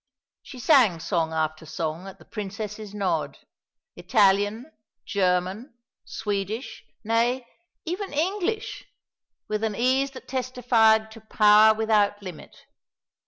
She sang song after song, at the Princess's nod; Italian, German, Swedish, nay, even English, with an ease that testified to power without limit.